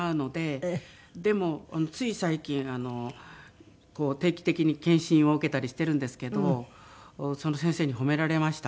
でもつい最近定期的に検診を受けたりしてるんですけどその先生に褒められました。